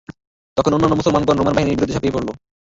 তখন অন্যান্য মুসলমানগণ রোমান বাহিনীর বিরুদ্ধে ঝাঁপিয়ে পড়ল।